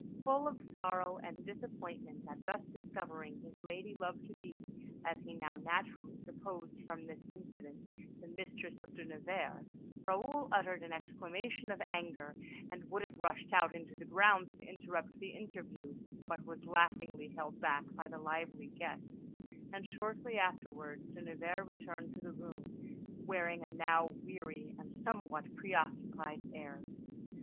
Full of sorrow and disappointment at thus discovering his lady love to be, as he now naturally supposed from this incident, the mistress of De Nevers, Raoul uttered an exclamation of anger, and would have rushed out into the grounds to interrupt the interview, but was laughingly held back by the lively guests; and shortly afterwards De Nevers returned to the room, wearing a now weary and somewhat preoccupied air.